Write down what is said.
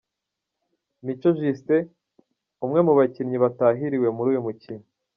Mico Justin umwe mu bakinnyi batahiriwe muri uyu mukino.